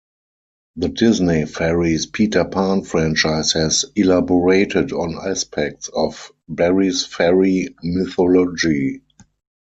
The Disney Fairies Peter Pan franchise has elaborated on aspects of Barrie's fairy mythology.